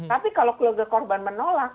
tapi kalau keluarga korban menolak